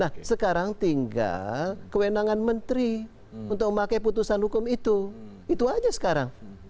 nah sekarang tinggal kewenangan menteri untuk memakai putusan hukum itu itu aja sekarang